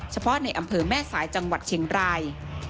เฉพาะในอำเภอแม่สายจังหวัดเชียงราย